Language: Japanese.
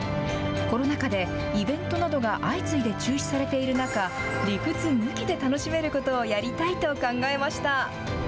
コロナ禍でイベントなどが相次いで中止されている中、理屈抜きで楽しめることをやりたいと考えました。